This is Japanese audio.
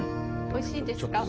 おいしいですか？